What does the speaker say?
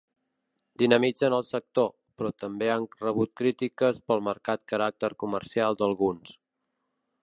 Dinamitzen el sector, però també han rebut crítiques pel marcat caràcter comercial d’alguns.